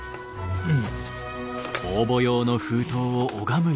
うん。